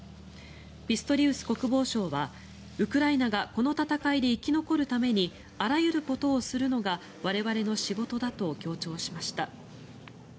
ピストリウス国防相はウクライナがこの戦いで生き残るためにあらゆることをするのが我々の仕事だと強調しました。